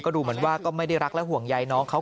ดูเหมือนว่าก็ไม่ได้รักและห่วงใยน้องเขา